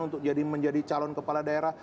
untuk menjadi calon kepala daerah